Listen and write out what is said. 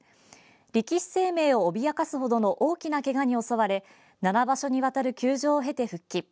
力士生命を脅かすほどの大きなけがに襲われ７場所に渡る休場を経て復帰。